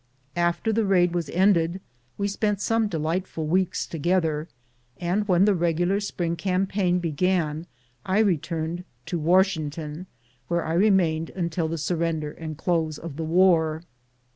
After the raid was ended, we spent some delightful weeks together, and when the regular spring campaign began I returned to Washington, where I remained until the surrender and the close of the war.